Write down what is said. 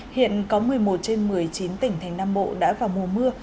hiện có một mươi một trên một mươi chín tỉnh thành nam bộ đã vào mùa mưa